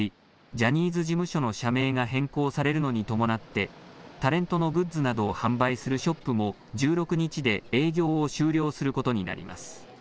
ジャニーズ事務所の社名が変更されるのに伴ってタレントのグッズなどを販売するショップも１６日で営業を終了することになります。